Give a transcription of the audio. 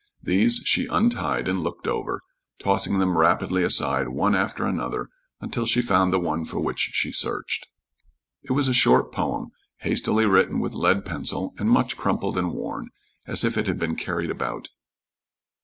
These she untied and looked over, tossing them rapidly aside one after another until she found the one for which she searched. It was a short poem, hastily written with lead pencil, and much crumpled and worn, as if it had been carried about.